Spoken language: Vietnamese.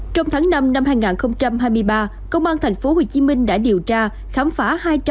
trong tháng năm năm hai nghìn hai mươi ba công an tp hcm đã điều tra khám phá